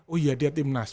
oh iya dia timnas